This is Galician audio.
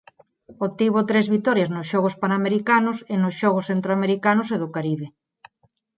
Obtivo tres vitorias nos Xogos Panamericanos e nos Xogos Centroamericanos e do Caribe.